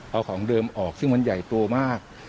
เอาของเดิมออกซึ่งมันใหญ่โตมาก